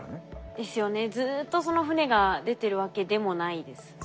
ですよねずっとその船が出てるわけでもないですもんね。